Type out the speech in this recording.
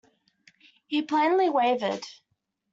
He plainly wavered.